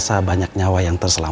supose ada barangnya